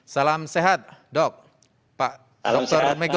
salam sehat dok pak dr mego